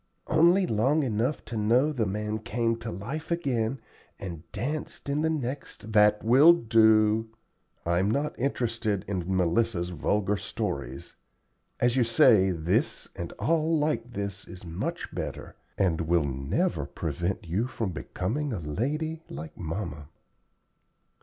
"Only long enough to know the man came to life again, and danced in the next " "That will do. I'm not interested in Melissa's vulgar stories. As you say, this, and all like this, is much better, and will never prevent you from becoming a lady like mamma."